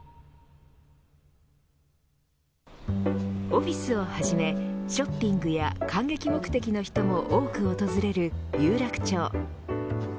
オフィスをはじめショッピングや観劇目的の人も多く訪れる有楽町。